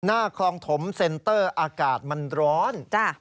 หน้าคลองถมเซ็นเตอร์อากาศมันร้อน